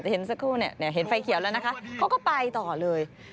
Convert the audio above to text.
แต่เห็นสักครู่เห็นไฟเขียวแล้วนะคะเขาก็ไปต่อเลย